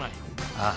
ああ。